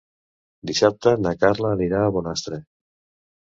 Dissabte na Carla anirà a Bonastre.